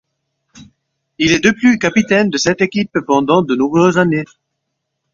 Il est de plus capitaine de cette équipe pendant de nombreuses années.